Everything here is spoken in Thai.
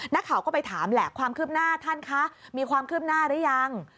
นักข่าวก็ไปถามแหละความคืบหน้าท่านคะมีความคืบหน้าหรือยัง